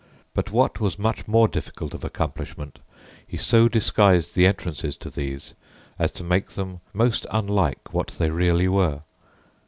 But what was much more difficult of accomplishment, he so disguised the entrances to these as to make them most unlike what they really were.